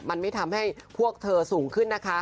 มันไม่ทำให้พวกเธอสูงขึ้นนะคะ